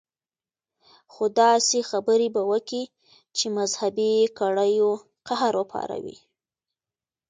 خو داسې خبرې به وکي چې د مذهبي کړيو قهر وپاروي.